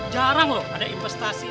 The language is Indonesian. jarang loh ada investasi